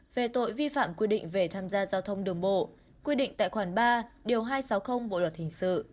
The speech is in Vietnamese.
về tội vi phạm quy định về tham gia giao thông đường bộ quy định tại khoản ba điều hai trăm sáu mươi bộ luật hình sự